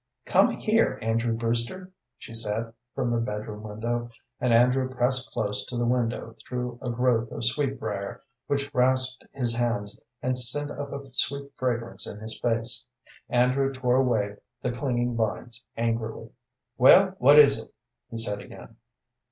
"Come here, Andrew Brewster," she said, from the bedroom window, and Andrew pressed close to the window through a growth of sweetbrier which rasped his hands and sent up a sweet fragrance in his face. Andrew tore away the clinging vines angrily. "Well, what is it?" he said again.